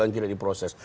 yang tidak diproses